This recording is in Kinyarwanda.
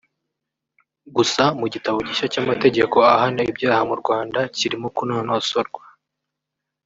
Gusa mu gitabo gishya cy’amategeko ahana ibyaha mu Rwanda kirimo kunonosorwa